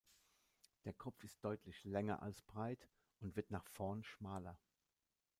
Der Kopf ist deutlich länger als breit und wird nach vorn schmaler.